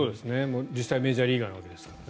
実際にメジャーリーガーですからね。